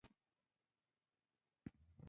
د حاصل د خرڅلاو سیستم باید عصري شي.